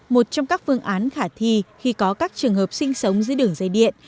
một trong các phương án khả thi khi có các trường hợp sinh sống dưới đường dây điện